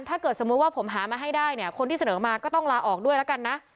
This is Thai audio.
ถ้าเกิดสมมุติว่าผมหามาให้ได้เนี่ยคนที่เสนอมาก็ต้องลาออกด้วยแล้วกันนะ